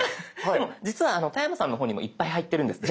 でも実は田山さんの方にもいっぱい入ってるんです。